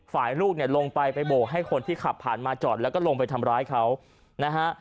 ลูกเนี่ยลงไปไปโบกให้คนที่ขับผ่านมาจอดแล้วก็ลงไปทำร้ายเขานะฮะ